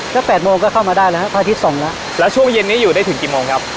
แปดโมงก็เข้ามาได้แล้วพระอาทิตย์สองแล้วแล้วช่วงเย็นนี้อยู่ได้ถึงกี่โมงครับ